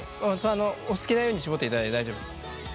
お好きなように絞っていただいて大丈夫です。